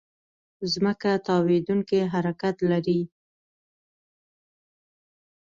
ځمکه تاوېدونکې حرکت لري.